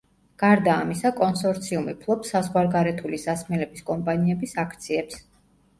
გარდა ამისა კონსორციუმი ფლობს საზღვარგარეთული სასმელების კომპანიების აქციებს.